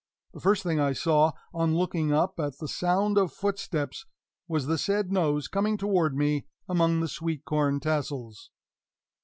The first thing I saw, on looking up at the sound of footsteps, was the said nose coming toward me, among the sweet corn tassels.